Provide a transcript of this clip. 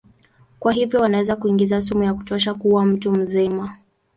Kwa hivyo wanaweza kuingiza sumu ya kutosha kuua mtu mzima.